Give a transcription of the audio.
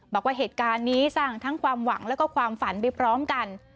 บอกว่าเหตุการณ์นี้สร้างทั้งความหวังแล้วก็ความฝันไปพร้อมกัน